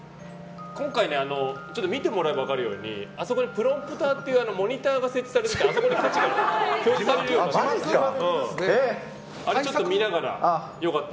今回ね、見てもらえば分かるようにあそこにプロンプターというモニターが設置されてあそこに歌詞が表示されるようになった。